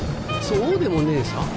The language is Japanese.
そうでもねえさ。